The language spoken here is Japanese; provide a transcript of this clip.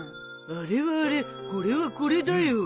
あれはあれこれはこれだよ。